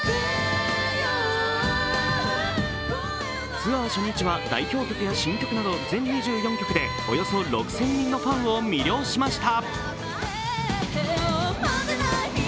ツアー初日は代表曲や新曲など全２４曲でおよそ６０００人のファンを魅了しました。